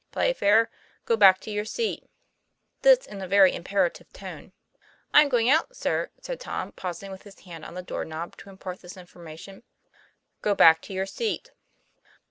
' Playfair, go back to your seat." This in a very imperative tone. 'I'm going out, sir," said Tom, pausing with his hand on the door knob to impart this information. ;' Go back to your seat."